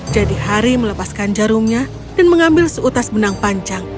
jadi hari melepaskan jarumnya dan mengambil seutas benang panjang